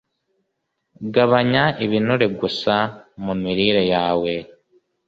Gabanya ibinure gusa mu mirire yawe